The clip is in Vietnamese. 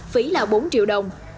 phí là bốn triệu đồng